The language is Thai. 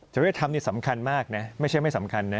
ริยธรรมนี่สำคัญมากนะไม่ใช่ไม่สำคัญนะ